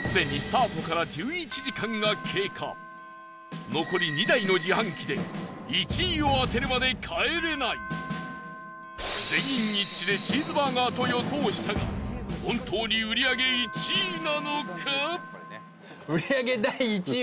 すでにスタートから１１時間が経過残り２台の自販機で１位を当てるまで帰れない全員一致でチーズバーガーと予想したが本当に売り上げ１位なのか？